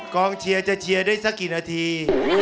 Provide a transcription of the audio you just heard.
กองเชียร์จะเชียร์ได้สักกี่นาที